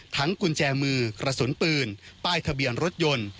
กุญแจมือกระสุนปืนป้ายทะเบียนรถยนต์